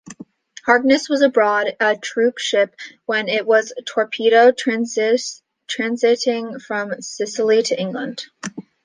Harkness was aboard a troopship when it was torpedoed transiting from Sicily to England.